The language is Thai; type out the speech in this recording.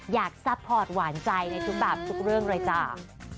ซัพพอร์ตหวานใจในทุกแบบทุกเรื่องเลยจ้า